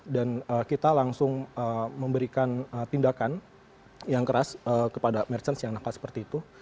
dan kita langsung memberikan tindakan yang keras kepada merchant yang nakal seperti itu